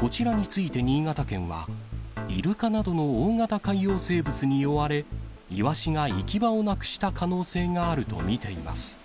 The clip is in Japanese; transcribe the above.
こちらについて新潟県は、イルカなどの大型海洋生物に追われ、イワシが行き場をなくした可能性があると見ています。